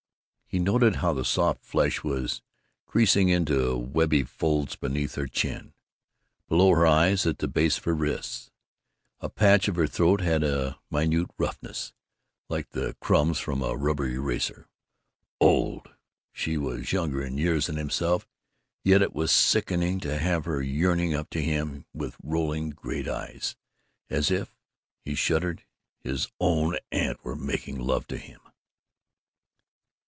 He noted how the soft flesh was creasing into webby folds beneath her chin, below her eyes, at the base of her wrists. A patch of her throat had a minute roughness like the crumbs from a rubber eraser. Old! She was younger in years than himself, yet it was sickening to have her yearning up at him with rolling great eyes as if, he shuddered, his own aunt were making love to him.